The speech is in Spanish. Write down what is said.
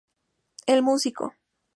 El músico.